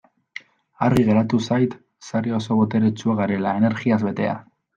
Argi geratu zait sare oso boteretsua garela, energiaz betea.